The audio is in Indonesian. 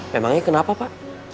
memangnya kenapa pak